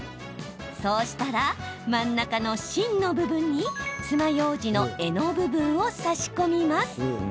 そうしたら、真ん中の芯の部分につまようじの柄の部分を差し込みます。